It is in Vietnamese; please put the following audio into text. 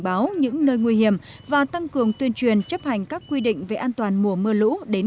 báo những nơi nguy hiểm và tăng cường tuyên truyền chấp hành các quy định về an toàn mùa mưa lũ đến